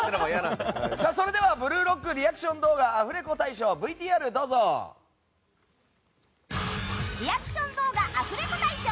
それでは「ブルーロック」リアクション動画アフレコ大賞。